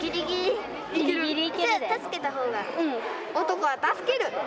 男は助ける！